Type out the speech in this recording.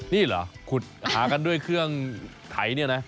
นี่เหรอขุดหากันด้วยเครื่องไถเนี่ยนะ